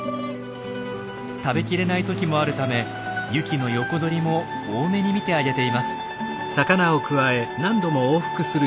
食べきれない時もあるためユキの横取りも大目に見てあげています。